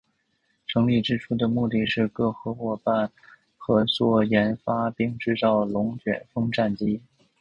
成立之初的目的是各夥伴国合作研发并制造龙卷风战机。